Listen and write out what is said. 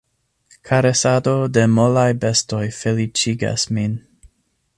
Karesado de molaj bestoj feliĉigas min.